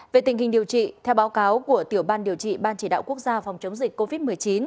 về tình hình điều trị theo báo cáo của tiểu ban điều trị ban chỉ đạo quốc gia phòng chống dịch covid một mươi chín